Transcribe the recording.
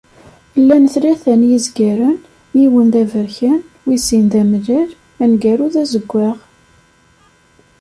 Llan tlata n yizgaren, yiwen d aberkan, wis sin d amellal, aneggaru d azeggaɣ.